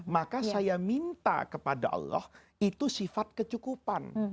maka saya minta kepada allah itu sifat kecukupan